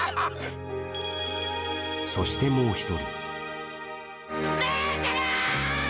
そしてもう一人。